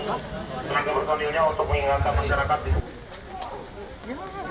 masuk masuk masuk